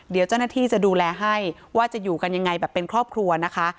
เดี๋ยวเจ้าหน้าที่จะดูแลให้ว่าจะอยู่กันยังไงแบบเป็นครอบครัวนะคะ